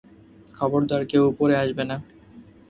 খবরদার কেউ উপরে আসবে না।